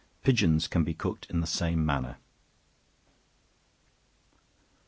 Pigeons can be cooked in the same manner.